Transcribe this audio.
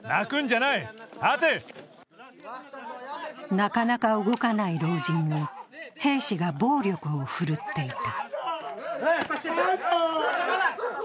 なかなか動かない老人に、兵士が暴力を振るっていた。